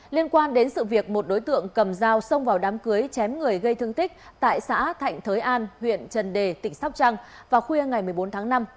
liên quan đến sự việc một đối tượng cầm dao xông vào đám cưới chém người gây thương tích tại xã thạnh thới an huyện trần đề tỉnh sóc trăng vào khuya ngày một mươi bốn tháng năm